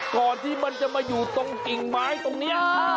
ก่อนที่มันจะมาอยู่ตรงกิ่งไม้ตรงนี้